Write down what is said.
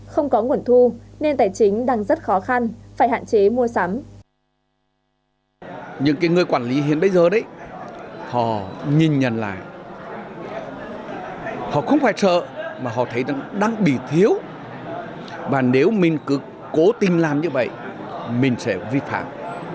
không có nguồn thu nên tài chính đang rất khó khăn phải hạn chế mua sắm